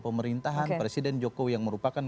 pemerintahan presiden jokowi yang merupakan